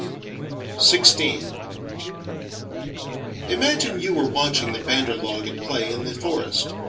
XVI Imagine you are watching the Bandarlog at play in the forest.